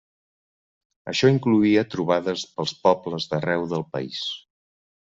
Això incloïa trobades pels pobles d'arreu del país.